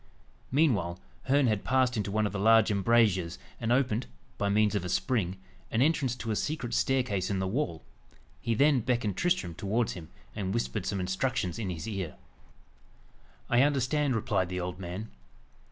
Meanwhile, Herne had passed into one of the large embrasures, and opened, by means of a spring, an entrance to a secret staircase in the wall. He then beckoned Tristram towards him, and whispered some instructions in his ear. "I understand," replied the old man.